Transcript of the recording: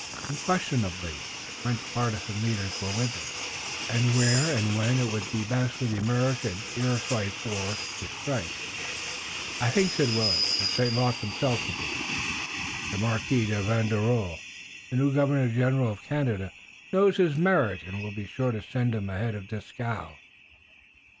Unquestionably the French partisan leaders were with them, and where and when would it be best for the American Iroquois force to strike? "I think," said Willet, "that St. Luc himself will be here. The Marquis de Vaudreuil, the new Governor General of Canada, knows his merit and will be sure to send him ahead of Dieskau."